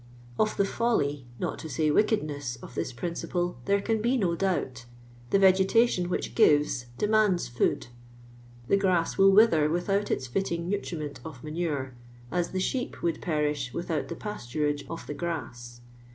K)( the folly, not to s:iy wicketiness, of this principle, there aui be no doubt. The vegetation which gives, demands fiKid. The grass will wither without its fitting nutriment of manure, as the sheep would perish without the pasturage of the grass.